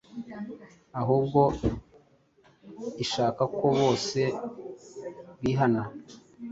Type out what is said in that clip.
ahubwo ishaka ko bose bihana.